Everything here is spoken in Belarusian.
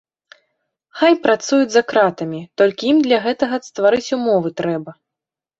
Хай працуюць за кратамі, толькі ім для гэтага стварыць умовы трэба!